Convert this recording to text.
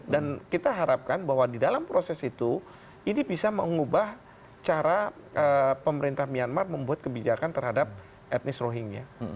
dan kita harapkan bahwa di dalam proses itu ini bisa mengubah cara pemerintah myanmar membuat kebijakan terhadap etnis rohingya